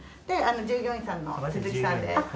で従業員さんの鈴木さんです。